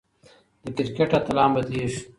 د کرکټ اتلان بدلېږي.